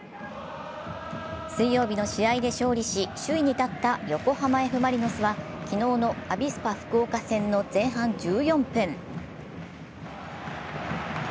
水曜日の試合で勝利し、首位に立った横浜Ｆ・マリノスは昨日のアビスパ福岡戦の前半１４分。